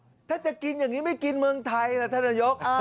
ถ้าจะกินอย่างนี้ไม่กินเมืองไทยล่ะท่านนายก